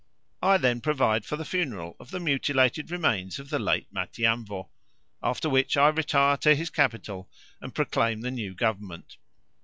I then provide for the funeral of the mutilated remains of the late Matiamvo, after which I retire to his capital and proclaim the new government.